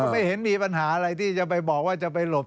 ไม่เห็นมีปัญหาอะไรที่จะไปบอกว่าจะไปหลบ